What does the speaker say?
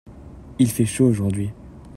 Il fait chaud aujourd'hui.